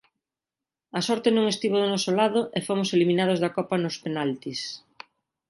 A sorte non estivo do noso lado e fomos eliminados da Copa nos penaltis